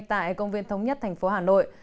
tại công viên thống nhất tp hà nội